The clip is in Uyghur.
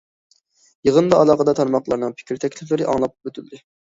يىغىندا ئالاقىدار تارماقلارنىڭ پىكىر- تەكلىپلىرى ئاڭلاپ ئۆتۈلدى.